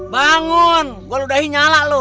bangun gua ludahin nyala lo